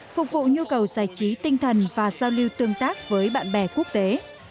phục vụ nhu cầu giải trí tinh thần và giao lưu tương tác với bạn bè quốc tế